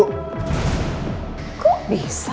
kok bisa bu andinnya